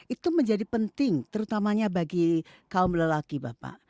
itu menjadi penting terutamanya bagi kaum lelaki bapak